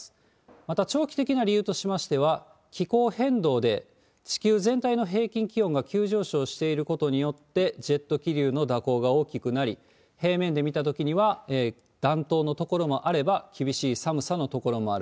また、長期的な理由としましては、気候変動で地球全体の平均気温が急上昇していることによって、ジェット気流の蛇行が大きくなり、平面で見たときには、暖冬の所もあれば、厳しい寒さの所もある。